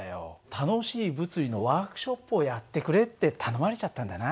楽しい物理のワークショップをやってくれって頼まれちゃったんだな。